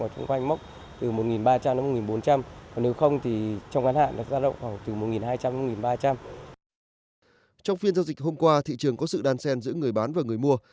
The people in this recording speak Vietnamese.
trong phiên giao dịch hôm qua thị trường có sự đan sen giữa người bán và người mua